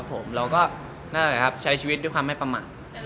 แต่เหมือนกันว่าเป็นเบนเจ้าเพศที่ดีอยู่หน้า